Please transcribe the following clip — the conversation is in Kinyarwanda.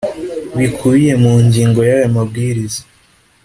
bikubiye mu ngingo ya y aya mabwiriza